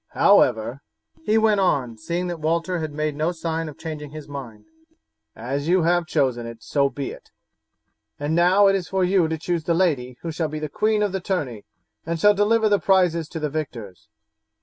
However," he went on, seeing that Walter made no sign of changing his mind, "as you have chosen, so be it; and now it is for you to choose the lady who shall be queen of the tourney and shall deliver the prizes to the victors.